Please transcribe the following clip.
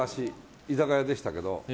居酒屋でしたけど。